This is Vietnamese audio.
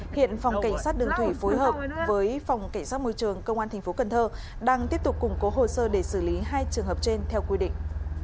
hiện phòng cảnh sát đường thủy phối hợp với phòng cảnh sát môi trường công an tp cn đang tiếp tục củng cố hồ sơ để xử lý hai trường hợp trên theo quy định